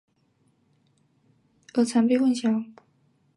因为与湖拟鲤很相似而常被混淆。